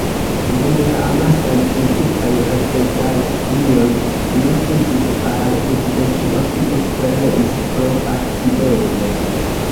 Dum la amasaj politikaj reprezalioj li fuĝis al Uzbekio, kie pereis pro akcidento.